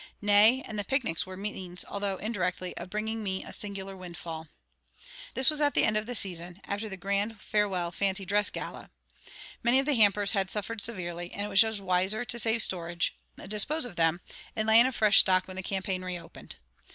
Nay, and the picnics were the means, although indirectly, of bringing me a singular windfall. This was at the end of the season, after the "Grand Farewell Fancy Dress Gala." Many of the hampers had suffered severely; and it was judged wiser to save storage, dispose of them, and lay in a fresh stock when the campaign re opened.